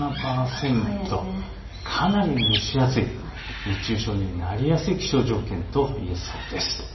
６７％、かなり蒸し暑い、熱中症になりやすい気象条件といえそうです。